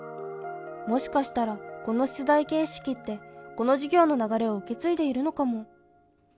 もしかしたらこの出題形式ってこの授業の流れを受け継いでいるのかも。